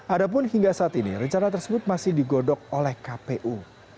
adapun hingga saat ini rencana tersebut masih digodok oleh kpu